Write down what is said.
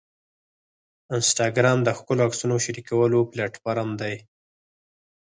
انسټاګرام د ښکلو عکسونو شریکولو پلیټفارم دی.